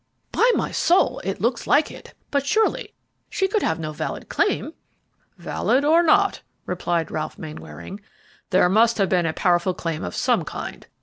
"By my soul! it looks like it; but surely she could have no valid claim." "Valid or not," replied Ralph Mainwaring, "there must have been a powerful claim of some kind.